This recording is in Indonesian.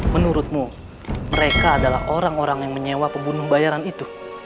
menurutmu mereka adalah orang orang yang menyewa pembunuh bayaran itu